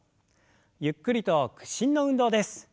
ゆっくりと屈伸の運動です。